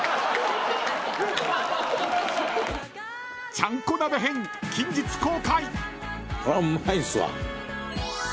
［ちゃんこ鍋編近日公開］